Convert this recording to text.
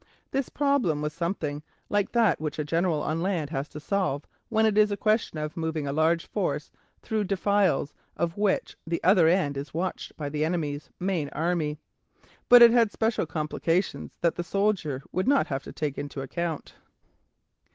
This problem was something like that which a general on land has to solve when it is a question of moving a large force through defiles of which the other end is watched by the enemy's main army. But it had special complications that the soldier would not have to take into account.